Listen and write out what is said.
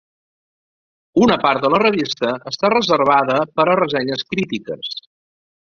Una part de la revista està reservada per a ressenyes crítiques.